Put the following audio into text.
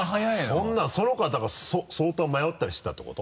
そんなのその子がだから相当迷ったりしてたってこと？